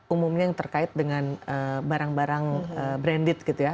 umumnya yang terkait dengan barang barang branded gitu ya